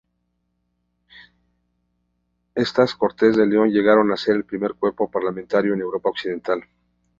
Estas Cortes de León llegaron a ser el primer cuerpo parlamentario en Europa Occidental.